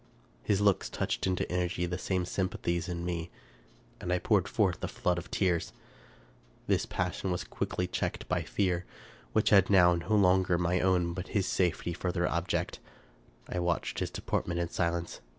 His looks touched into energy the same sympathies in me, and I poured forth a flood of tears. This passion was quickly checked by fear, which had now no longer my own but his safety for their object. I watched his deportment in silence.